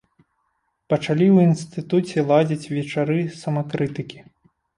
Пачалі ў інстытуце ладзіць вечары самакрытыкі.